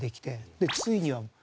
でついにはねえ？